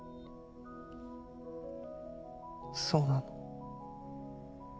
そうなの？